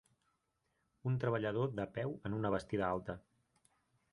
Un treballador de peu en una bastida alta.